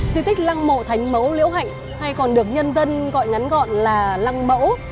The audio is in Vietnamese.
di tích lăng mộ thánh mẫu liễu hạnh hay còn được nhân dân gọi ngắn gọn là lăng mẫu